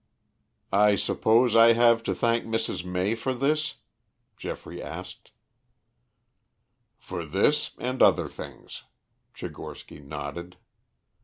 "I suppose I have to thank Mrs. May for this?" Geoffrey asked. "For this and other things," Tchigorsky nodded.